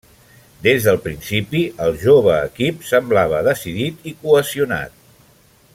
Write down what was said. Des del principi, el jove equip semblava decidit i cohesionat.